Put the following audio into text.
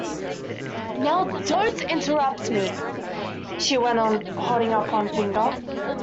Now don’t interrupt me!’ she went on, holding up one finger.